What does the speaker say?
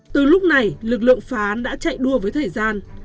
từ lúc này lực lượng phá án đã chạy đua với thời gian